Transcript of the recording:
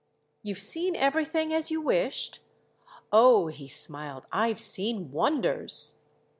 "You've seen everything as you wished?" "Oh," he smiled, "I've seen wonders."